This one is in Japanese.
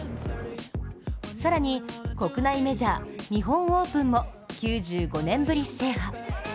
更に、国内メジャー日本オープンも９５年ぶり制覇。